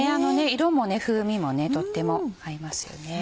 色も風味もとっても合います。